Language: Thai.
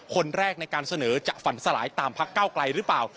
คนแรกในการเสนอจะฝันสลายตามพักเก้าไกลหรือเปล่า